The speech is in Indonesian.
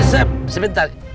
eh eh sebentar